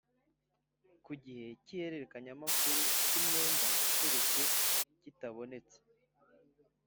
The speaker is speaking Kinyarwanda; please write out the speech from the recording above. Igihe cy’ihererekanyamakuru ku myenda keretse kitabonetse